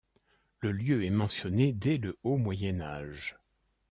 Le lieu est mentionné dès le Haut Moyen-Age.